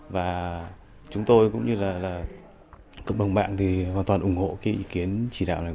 và chúng tôi cũng như là cộng đồng mạng thì hoàn toàn ủng hộ cái ý kiến chỉ đạo này